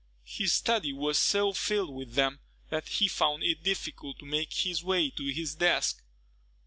His study was so filled with them, that he found it difficult to make his way to his desk.